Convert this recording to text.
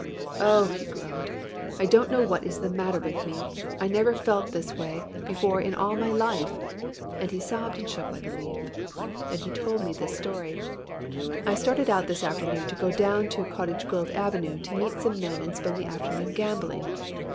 "Oh," he groaned, "I don't know what is the matter with me. I never felt this way before in all my life," and he sobbed and shook like a leaf. Then he told me this story: "I started out this afternoon to go down to Cottage Grove Avenue to meet some men and spend the afternoon gambling.